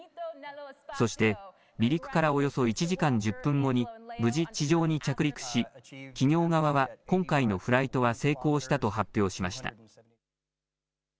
そして離陸からおよそ１時間１０分後に無事、地上に着陸し企業側は今回のフライトは成功したと発表しました。